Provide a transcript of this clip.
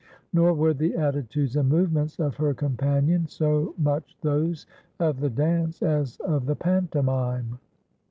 Nor were the attitudes and movements of her companion so much those of the dance as of the pantomime.